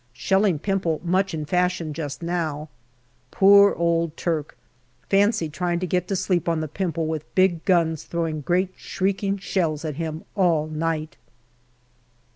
Shelling Pimple much in fashion just now. Poor old Turk ! fancy trying to get to sleep on the Pimple with big guns throwing great shrieking shells at him all night.